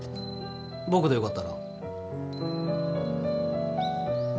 僕でよかったら。